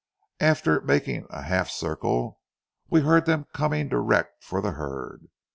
After making a half circle, we heard them coming direct for the herd.